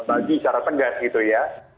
bagi cara tegas gitu ya